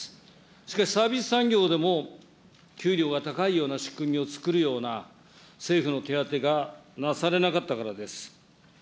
しかしサービス産業でも給料が高いような仕組みを作るような政府の手当がなされなかったからです。